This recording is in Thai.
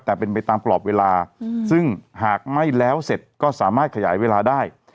แต่เป็นไปตามกรอบเวลาซึ่งหากไม่แล้วเสร็จก็สามารถขยายเวลาได้